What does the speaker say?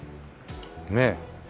ねえ。